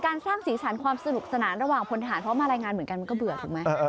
ถ้าอยู่ก็ผ่านต่างคนฐานเพราะว่ามารัยงานเหมือนกันมันก็เบื่อถึงไหม